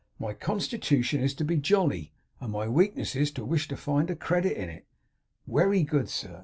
My constitution is, to be jolly; and my weakness is, to wish to find a credit in it. Wery good, sir.